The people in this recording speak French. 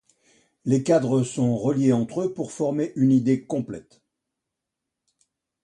Les cadres sont reliés entre eux pour former une idée complète.